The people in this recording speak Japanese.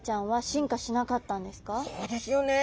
そうですよね。